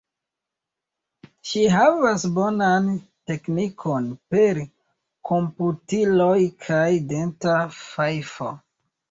Ŝi havas bonan teknikon per komputiloj kaj denta fajfo.